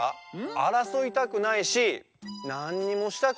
あらそいたくないしなんにもしたくないっていったんだよ。